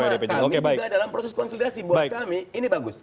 karena kami juga dalam proses konsolidasi buat kami ini bagus